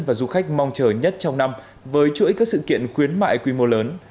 và du khách mong chờ nhất trong năm với chuỗi các sự kiện khuyến mại quy mô lớn